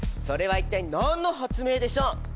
それは一体何の発明でしょう？